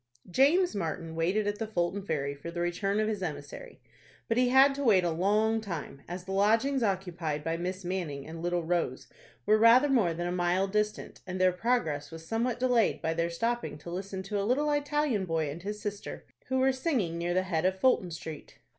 James Martin waited at the Fulton Ferry for the return of his emissary. But he had to wait a long time, as the lodgings occupied by Miss Manning and little Rose were rather more than a mile distant, and their progress was somewhat delayed by their stopping to listen to a little Italian boy and his sister, who were singing near the head of Fulton Street.